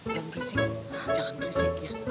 jangan risik jangan risik ya